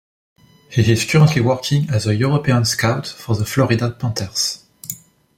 He is currently working as a European scout for the Florida Panthers.